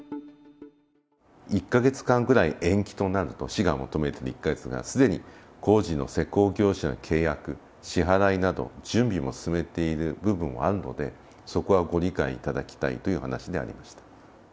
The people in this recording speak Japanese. １か月間ぐらい延期になると、市が求めている１か月というのは、すでに工事の施工業者と契約、支払いなど、準備も進めている部分はあるので、そこはご理解いただきたいという話でありました。